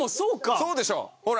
そうでしょほら！